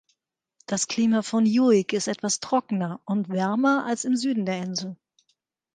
Das Klima von Uig ist etwas trockener und wärmer als im Süden der Insel.